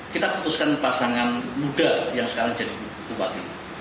kita putuskan pasangan muda yang sekarang jadi bupati